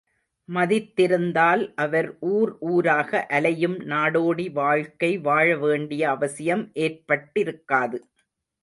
மதித்திருந்தால் அவர் ஊர் ஊராக அலையும் நாடோடி வாழ்க்கை வாழ வேண்டிய அவசியம் ஏற்பட்டிருக்காது.